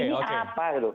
ini apa itu